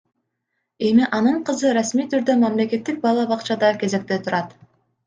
Эми анын кызы расмий түрдө мамлекеттик бала бакчада кезекте турат.